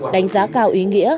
đánh giá cao ý nghĩa